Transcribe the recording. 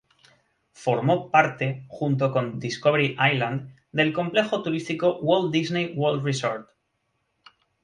Formó parte, junto con Discovery Island, del complejo turístico Walt Disney World Resort.